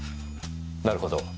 なるほど。